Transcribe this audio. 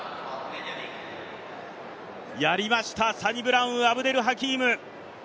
やりました、サニブラウン・アブデル・ハキーム。